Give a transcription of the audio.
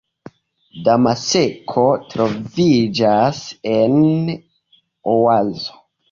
Damasko troviĝas en oazo.